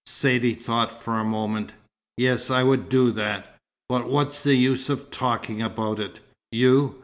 Saidee thought for a moment. "Yes. I would do that. But what's the use of talking about it? You!